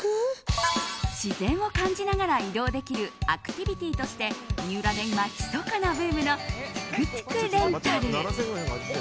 自然を感じながら移動できるアクティビティーとして三浦で今、ひそかなブームのトゥクトゥクレンタル。